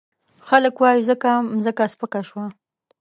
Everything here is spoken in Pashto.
خلګ وايي ځکه مځکه سپکه شوه.